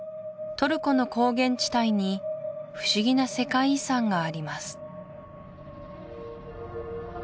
トルコの高原地帯にふしぎな世界遺産があります